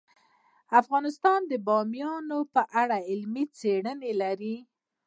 افغانستان د بامیان په اړه علمي څېړنې لري.